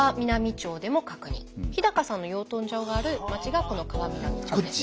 日さんの養豚場がある町がこの川南町です。